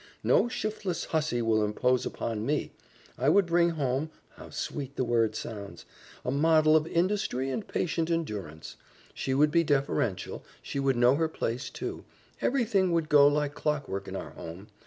No shiftless hussy would impose upon ME. I would bring home how sweet the word sounds! a model of industry and patient endurance. She would be deferential, she would know her place, too. Everything would go like clockwork in our home.